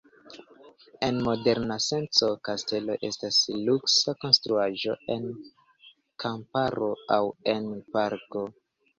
En moderna senco kastelo estas luksa konstruaĵo en kamparo aŭ en parko.